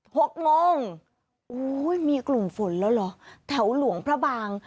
หกโมงโอ้ยมีกลุ่มฝนแล้วเหรอแถวหลวงพระบาง